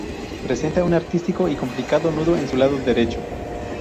Presenta un artístico y complicado nudo en su lado derecho.